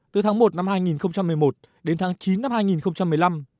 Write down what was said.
từ tháng một năm hai nghìn một mươi một đến tháng chín năm hai nghìn một mươi năm